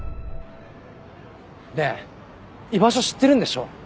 ねえ居場所知ってるんでしょ？